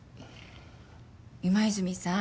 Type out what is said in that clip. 今泉さん。